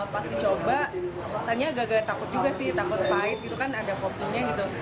pas dicoba soalnya agak agak takut juga sih takut pahit gitu kan ada kopinya gitu